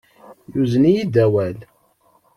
Yuzen-iyi-id awal.